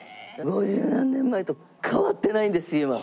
五十何年前と変わってないんです今。